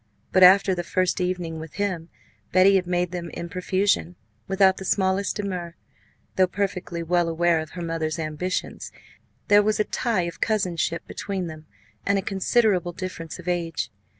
But, after the first evening with him, Betty had made them in profusion, without the smallest demur, though perfectly well aware of her mother's ambitions. There was a tie of cousinship between them, and a considerable difference of age.